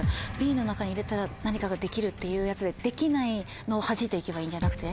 Ｂの中に入れたら何かができるっていうやつでできないのをはじいて行けばいいんじゃなくて？